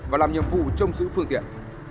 và làm nhiệm vụ trông giữ phương tiện